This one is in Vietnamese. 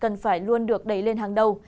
cần phải luôn được đẩy lên hàng đầu